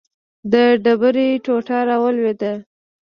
د ډبرې ټوټه راولوېده.